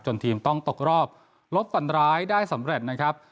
ทีมต้องตกรอบลบฟันร้ายได้สำเร็จนะครับ